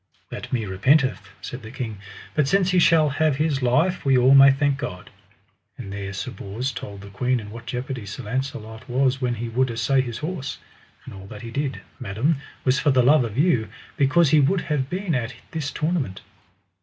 That me repenteth, said the king, but since he shall have his life we all may thank God. And there Sir Bors told the queen in what jeopardy Sir Launcelot was when he would assay his horse. And all that he did, madam, was for the love of you, because he would have been at this tournament.